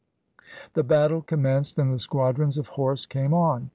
The battle commenced, and the squadrons of horse came on.